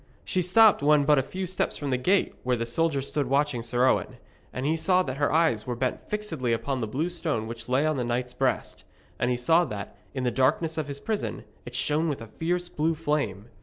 She stopped when but a few steps from the gate where the soldiers stood watching Sir Owen; and he saw that her eyes were bent fixedly upon the blue stone which lay on the knight's breast. And he saw that, in the darkness of his prison, it shone with a fierce blue flame.